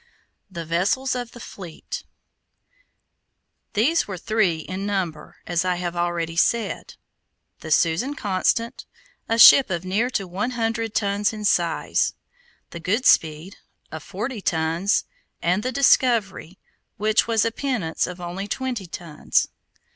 THE VESSELS OF THE FLEET These were three in number, as I have already said: the Constant, a ship of near to one hundred tons in size; the Goodspeed, of forty tons, and the Discovery, which was a pinnace of only twenty tons.